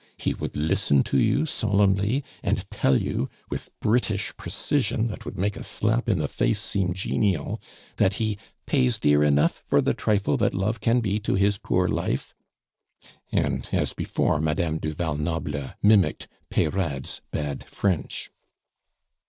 He would listen to you solemnly, and tell you, with British precision that would make a slap in the face seem genial, that he pays dear enough for the trifle that love can be to his poor life;" and, as before, Madame du Val Noble mimicked Peyrade's bad French.